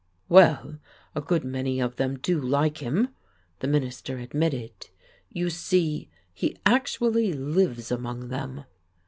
"Well, a good many of them do like him," the minister admitted. "You see, he actually lives among them.